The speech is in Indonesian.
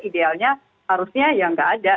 idealnya harusnya yang gak ada